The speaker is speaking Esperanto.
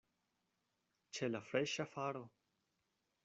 Ĉe la freŝa faro.